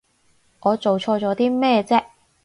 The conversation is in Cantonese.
我做錯咗啲咩啫？